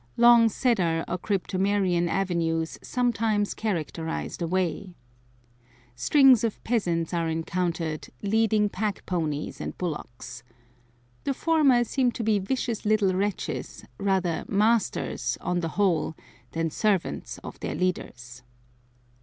Long cedar or cryptomerian avenues sometimes characterize the way. Strings of peasants are encountered, leading pack ponies and bullocks. The former seem to be vicious little wretches, rather masters, on the whole, than servants of their leaders.